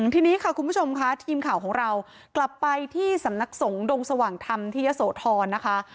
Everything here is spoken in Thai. ทีนี้ค่ะคุณผู้ชมค่ะทีมข่าวของเรากลับไปที่สำนักสงฆ์ดงสว่างธรรมที่ยะโสธรนะคะ